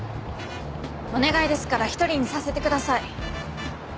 お願いですから一人にさせてください。